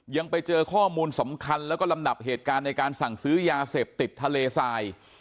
ยังไปเจอข้อมูลสำคัญแล้วก็ลำดับเหตุการณ์ในการสั่งซื้อยาเสพติดทะเลทราย